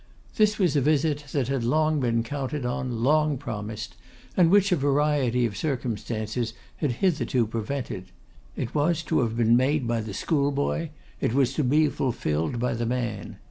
This was a visit that had been long counted on, long promised, and which a variety of circumstances had hitherto prevented. It was to have been made by the schoolboy; it was to be fulfilled by the man.